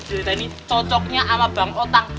jadi tadi cocoknya ama bang otang